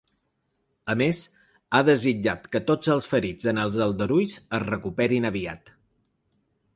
A més, ha desitjat que tots els ferits en els aldarulls es recuperin aviat.